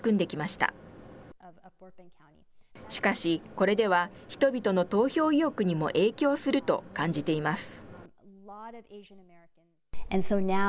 しかし、これでは人々の投票意欲にも影響すると感じています。